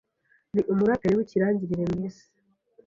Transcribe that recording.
ni umuraperi w’ikirangirire mu isi